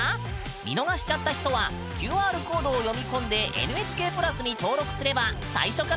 見逃しちゃった人はＱＲコードを読み込んで「ＮＨＫプラス」に登録すれば最初から見ることができるよ！